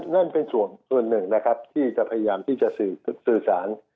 นั่นเป็นส่วนหนึ่งนะครับที่จะพยายามที่จะสื่อสาร